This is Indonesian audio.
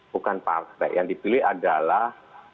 bukan partai yang dipilih adalah